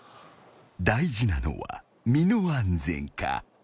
［大事なのは身の安全か？